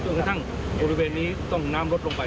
กระทั่งบริเวณนี้ต้องน้ำลดลงไป